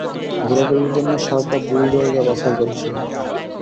ঘুরাঘুরির জন্য ষাড়টা ভুল জায়গা বাছাই করেছিল।